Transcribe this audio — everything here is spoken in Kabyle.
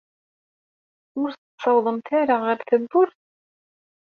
Ur tt-tessawḍemt ara ɣer tewwurt?